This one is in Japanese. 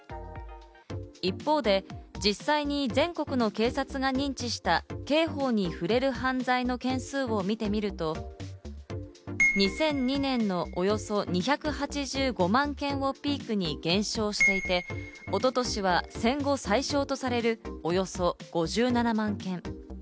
一方で実際に全国の警察が認知した刑法に触れる犯罪の件数を見てみると、２００２年のおよそ２８５万件をピークに減少していて、一昨年は戦後最少とされる、およそ５７万件。